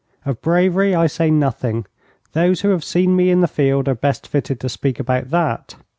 Of bravery I say nothing. Those who have seen me in the field are best fitted to speak about that.